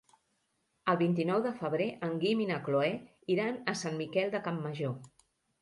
El vint-i-nou de febrer en Guim i na Cloè iran a Sant Miquel de Campmajor.